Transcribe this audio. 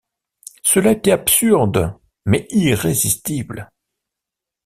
Cela était absurde, mais irrésistible.